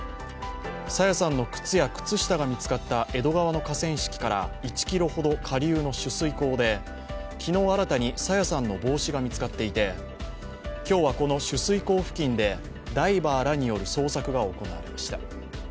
朝芽さんの靴や靴下が見つかった江戸川の河川敷から１ｋｍほど下流の取水口で昨日、新たに朝芽さんの帽子が見つかっていて今日は、この取水口付近でダイバーらによる捜索が行われました。